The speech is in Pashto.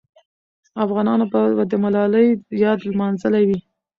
افغانانو به د ملالۍ یاد لمانځلی وي.